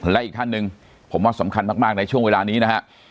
และอีกท่านหนึ่งผมว่าสำคัญมากในช่วงเวลานี้นะฮะ